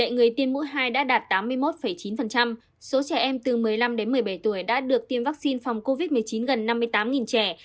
người tiêm mũi hai đã đạt tám mươi một chín số trẻ em từ một mươi năm đến một mươi bảy tuổi đã được tiêm vaccine phòng covid một mươi chín gần năm mươi tám trẻ